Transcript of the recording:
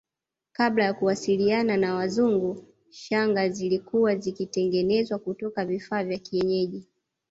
Kabla ya kuwasiliana na Wazungu shanga zilikuwa zikitengenezwa kutoka vifaa vya kienyeji